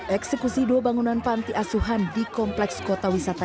eksekusi dua bangunan panti asuhan di kompleks kota wisata